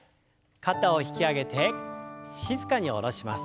肩を引き上げて静かに下ろします。